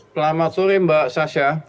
selamat sore mbak sasha